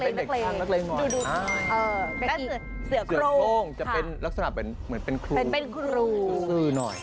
นักเลงดูเป็นเสือโครงจะเป็นลักษณะเหมือนเป็นครูซื้อหน่อย